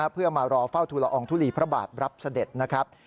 เพื่อมารอเฝ้าทุลอองทุลีพระบาทรับเสด็จนะครับ